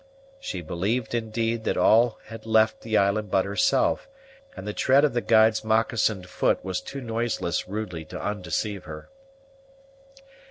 She believed, indeed, that all had left the island but herself, and the tread of the guide's moccasined foot was too noiseless rudely to undeceive her.